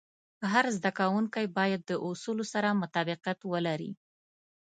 هر زده کوونکی باید د اصولو سره مطابقت ولري.